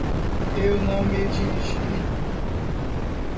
Eu não me dirigi.